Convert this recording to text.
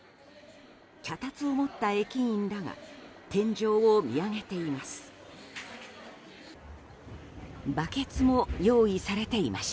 脚立を持った駅員らが天井を見上げています。